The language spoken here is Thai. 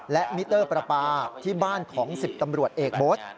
และมิเตอร์ประปาที่บ้านของ๑๐ตำรวจเอกโบ๊ท